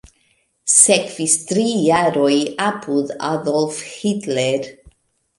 Sekvis tri jaroj apud Adolf Hitler.